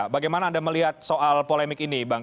bagaimana anda melihat soal polemik ini bang